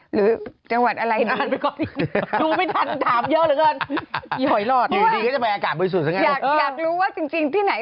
หรือจังหวัดอะไรดี